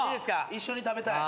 一緒に食べたい。